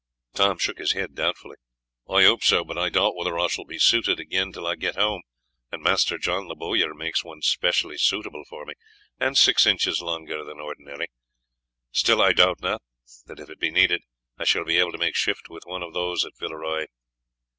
Tom shook his head doubtfully. "I hope so, but I doubt whether I shall be suited again till I get home, and Master John the bowyer makes one specially suitable for me, and six inches longer than ordinary. Still, I doubt not that, if it be needed, I shall be able to make shift with one of those at Villeroy."